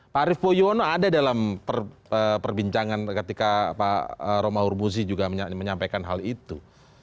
pak arief poyono ada dalam perbincangan ketika pak romahur muzi juga menyampaikan hal itu